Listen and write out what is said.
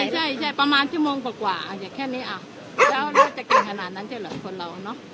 ใช่ใช่ใช่ประมาณชั่วโมงกว่ากว่าอาจจะแค่นี้อ่ะแล้วแล้วจะเก่งขนาดนั้นใช่เหรอคนเราเนอะ